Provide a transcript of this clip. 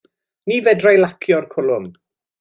Ni fedrai lacio'r cwlwm.